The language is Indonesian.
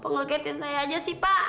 pa ngeketin saya aja sih pak